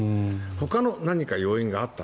ほかの何か要因があった。